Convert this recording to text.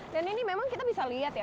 dan ini memang kita bisa lihat ya